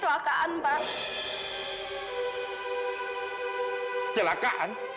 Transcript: ya udah kita bisa